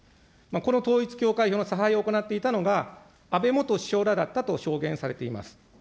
この統一教会の差配を行っていたのが、安倍元首相らだったと証言されています。